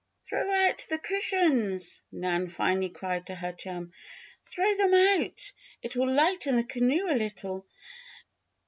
"Throw out the cushions!" Nan finally cried to her chum. "Throw them out, it will lighten the canoe a little."